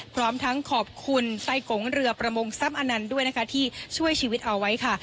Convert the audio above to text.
พร้อมทั้งขอบคุณไส้กงเรือประมงทรัพย์อนันต์ด้วยนะคะที่ช่วยชีวิตเอาไว้ค่ะ